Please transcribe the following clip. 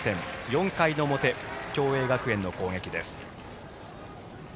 ４回の表、共栄学園の攻撃です。